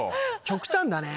極端だね。